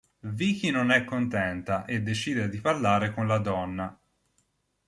Vicky non è contenta e decide di parlare con la donna.